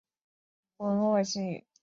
杨基宽毕业于国立成功大学外文系。